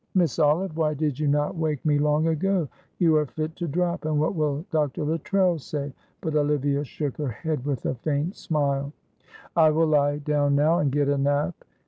"Miss Olive, why did you not wake me long ago? You are fit to drop, and what will Dr. Luttrell say?" but Olivia shook her head with a faint smile. "I will lie down now and get a nap.